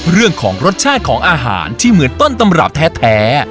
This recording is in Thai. เรื่องของรสชาติของอาหารที่เหมือนต้นตำรับแท้